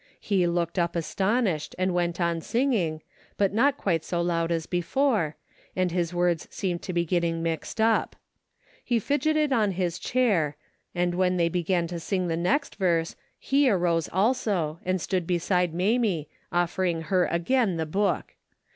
He looked up astonished, and went on singing, but not quite so loud as before, and his words seemed to be getting mixed up. He fidgeted on his chair, and when they began to sing the next verse, he arose also and stood beside Mamie, offering her again the book.